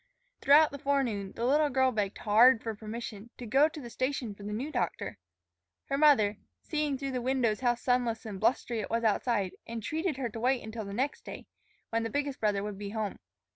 Throughout the forenoon the little girl begged hard for permission to go to the station for the new doctor. Her mother, seeing through the windows how sunless and blustery it was outside, entreated her to wait until the next day, when the biggest brother would be home.